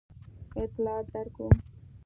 اطلاعات درکوو.